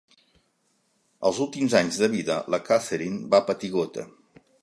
Els últims anys de vida, la Catherine va patir gota.